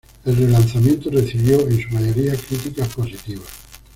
El relanzamiento recibió en su mayoría críticas positivas.